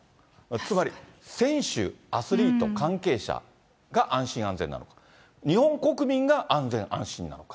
つまり選手、アスリート、関係者が安心・安全なのか、日本国民が安全・安心なのか。